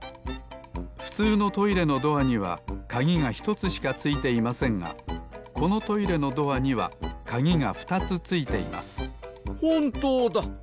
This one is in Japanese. ふつうのトイレのドアにはかぎが１つしかついていませんがこのトイレのドアにはかぎが２つついていますほんとうだ！